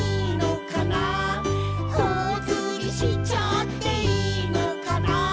「ほおずりしちゃっていいのかな」